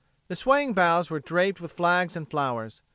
The swaying boughs were draped with flags and flowers.